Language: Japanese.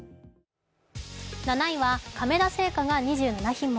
７位は亀田製菓が２７品目